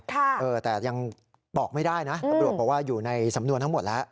แต่ยังบอกไม่ได้นะตำรวจบอกว่าอยู่ในสำนวนทั้งหมดแล้ว